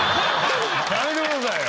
やめてくださいよ。